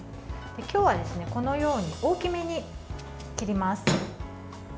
今日はこのように大きめに切ります。